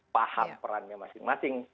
paham perannya masing masing